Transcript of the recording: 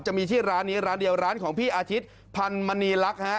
จะมีที่ร้านนี้ร้านเดียวร้านของพี่อาทิตย์พันมณีลักษณ์ฮะ